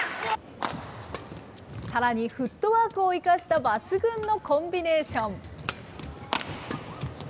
さらにフットワークを生かした抜群のコンビネーション。